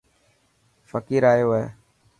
فقير ايو هي.